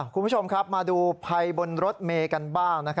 คุณผู้ชมครับมาดูภัยบนรถเมย์กันบ้าง